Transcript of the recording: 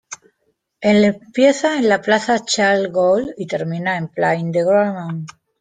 Empieza en la Place Charles-de-Gaulle y termina en la Place de Wagram.